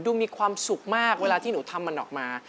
มีความสุขมากเวลาที่หนูทำมันออกมา